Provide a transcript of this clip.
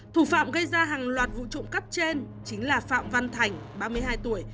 thủ phạm gây ra hàng loạt vụ trộm cắp trên chính là phạm văn thành ba mươi hai tuổi